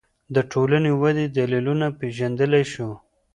د ټولنې ودې دلیلونه پېژندلی شو